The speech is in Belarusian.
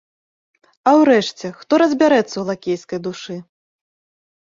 А ўрэшце, хто разбярэцца ў лакейскай душы?